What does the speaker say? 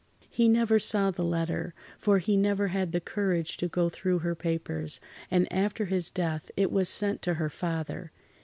He never saw the letter, for he never had the courage to go through her papers, and after his death it was sent to her father.